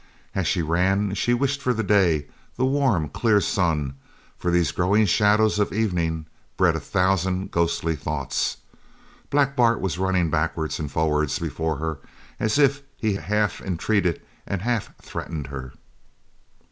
As she ran she wished for the day, the warm, clear sun for these growing shadows of evening bred a thousand ghostly thoughts. Black Bart was running backwards and forwards before her as if he half entreated and half threatened her.